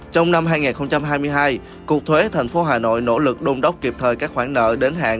trong năm hai nghìn hai mươi hai cục thuế thành phố hà nội nỗ lực đôn đốc kịp thời các khoản nợ đến hạn